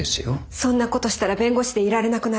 そんなことしたら弁護士でいられなくなる。